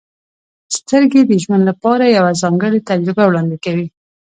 • سترګې د ژوند لپاره یوه ځانګړې تجربه وړاندې کوي.